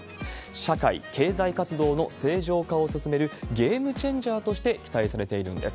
社会、経済活動の正常化を進めるゲームチェンジャーとして期待されているんです。